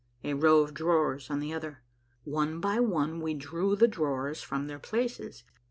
A row of drawers on the other. One by one we drew the drawers from their places.